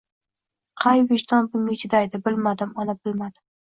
Qay vijdon bunga chidaydi, bilmadim, ona, bilmadim.